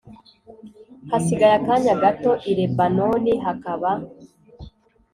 Hasigaye akanya gato i Lebanoni hakaba